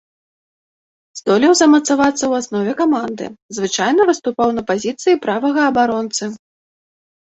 Здолеў замацавацца ў аснове каманды, звычайна выступаў на пазіцыі правага абаронцы.